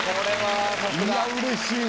いやうれしい。